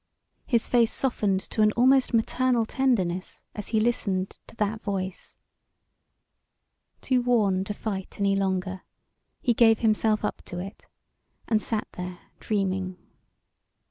His face softened to an almost maternal tenderness as he listened to that voice. Too worn to fight any longer, he gave himself up to it, and sat there dreaming.